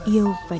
yêu và đẹp